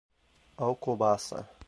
Alcobaça